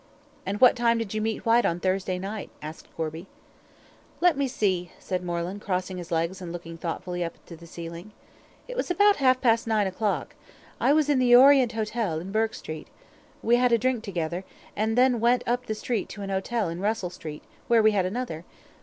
"And what time did you meet Whyte on Thursday night?" asked Gorby. "Let me see," said Moreland, crossing his legs and looking thoughtfully up to the ceiling, "it was about half past nine o'clock. I was in the Orient Hotel, in Bourke Street. We had a drink together, and then went up the street to an hotel in Russell Street, where we had another.